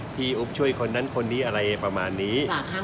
อุ๊บช่วยคนนั้นคนนี้อะไรประมาณนี้